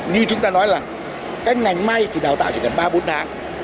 như chúng ta nói là cái ngành may thì đào tạo chỉ cần ba bốn tháng